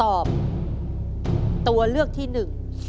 ตัวเลือกที่หนึ่ง